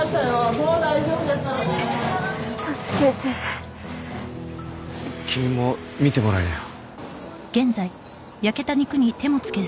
もう大丈夫ですからね助けて君も診てもらいなよ